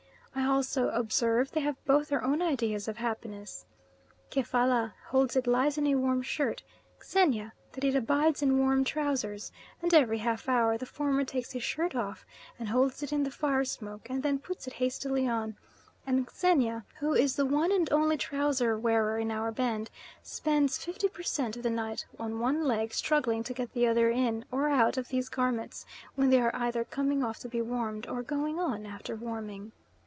I also observe they have both their own ideas of happiness. Kefalla holds it lies in a warm shirt, Xenia that it abides in warm trousers; and every half hour the former takes his shirt off, and holds it in the fire smoke, and then puts it hastily on; and Xenia, who is the one and only trouser wearer in our band, spends fifty per cent. of the night on one leg struggling to get the other in or out of these garments, when they are either coming off to be warmed, or going on after warming.